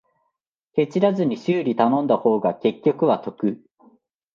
ケチらずに修理頼んだ方が結局は得